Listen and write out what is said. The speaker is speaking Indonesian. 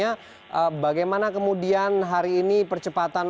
kita akan menjalankan penanganan dbd secara keseluruhan